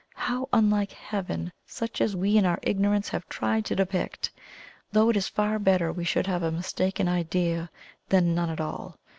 How unlike Heaven such as we in our ignorance have tried to depict! though it is far better we should have a mistaken idea than none at all.